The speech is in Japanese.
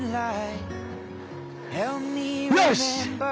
よし！